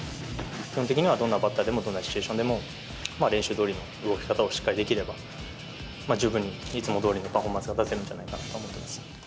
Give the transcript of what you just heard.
基本的には、どんなバッターでも、どんなシチュエーションでも練習どおりの動き方をしっかりできれば、十分にいつもどおりのパフォーマンスが出せるんじゃないかなと思